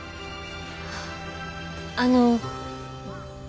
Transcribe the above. あの。